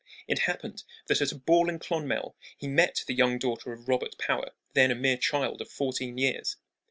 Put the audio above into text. It happened that at a ball in Clonmel he met the young daughter of Robert Power, then a mere child of fourteen years.